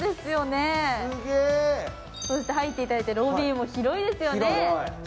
入っていただいて、ロビーも広いですよね。